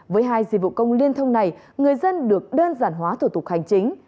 với hai dịch vụ công liên thông này người dân được đơn giản hóa thủ tục hành chính